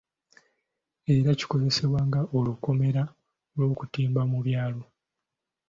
Era kikozesebwa nga olukomera lw'okutimba mu byalo.